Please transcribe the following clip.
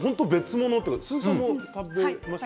鈴木さんも食べましたか？